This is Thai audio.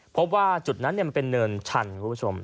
เพราะว่าจุดนั้นเป็นเนินชันคุณผู้ชม